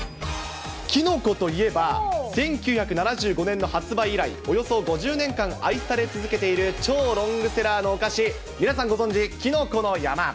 キノコといえば、１９７５年の発売以来、およそ５０年間愛され続けている超ロングセラーのお菓子、皆さんご存じ、きのこの山。